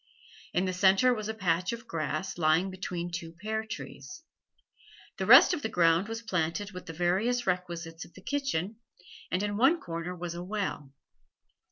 In the centre was a patch of grass, lying between two pear trees; the rest of the ground was planted with the various requisites of the kitchen, and in one corner was a well.